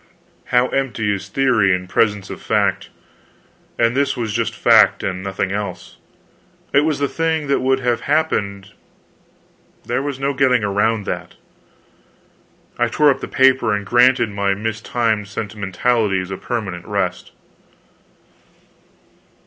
How empty is theory in presence of fact! And this was just fact, and nothing else. It was the thing that would have happened, there was no getting around that. I tore up the paper and granted my mistimed sentimentalities a permanent rest.